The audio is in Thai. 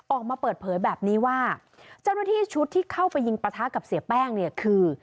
ออกมาเปิดเผยแบบนี้ว่าเจ้าหน้าที่ชุดที่เข้าไปยิงประทะกับเสียแป้งเนี่ยคือ